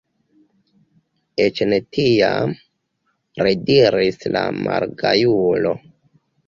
Eĉ ne tiam, rediris la malgajulo.